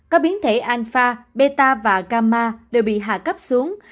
các biến thể alpha beta và gamma đều bị hạ cấp xuống